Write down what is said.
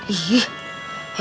ih ih ih aduh